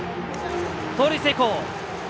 盗塁成功！